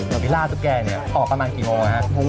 วิล่าตุ๊กแกเนี่ยออกประมาณกี่โมงครับ